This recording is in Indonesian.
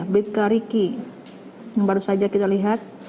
bpk riki yang baru saja kita lihat